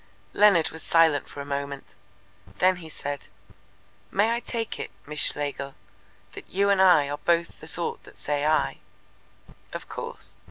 Leonard was silent for a moment. Then he said: "May I take it, Miss Schlegel, that you and I are both the sort that say 'I'?" "Of course."